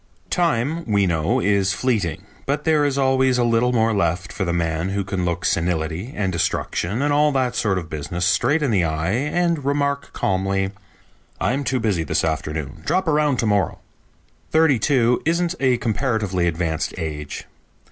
Time, we know, is fleeting, but there is always a little more left for the man who can look senility and destruction and all that sort of business straight in the eye and remark calmly, "I'm too busy this afternoon; drop around to morrow." Thirty two isn't a comparatively advanced age.